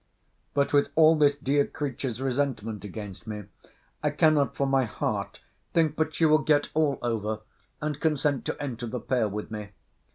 But with all this dear creature's resentment against me, I cannot, for my heart, think but she will get all over, and consent to enter the pale with me.